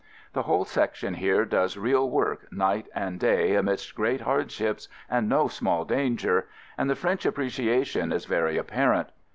The whole Section here does real work night and day amidst great hardships and no small danger, and the French appreciation is very apparent.